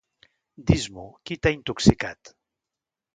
Dis-m'ho, qui t'ha intoxicat?